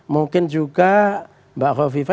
mungkin juga mbak bukofifa